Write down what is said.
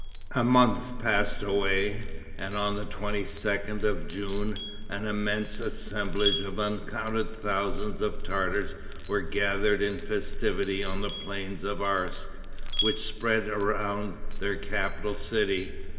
A month passed away, and on the 22d of June an immense assemblage of uncounted thousands of Tartars were gathered in festivity on the plains of Arsk, which spread around their capital city.